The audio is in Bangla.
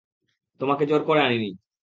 তোমাকে জোর করে আনি নি।